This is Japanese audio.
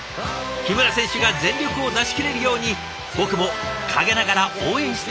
木村選手が全力を出しきれるように僕も陰ながら応援しています！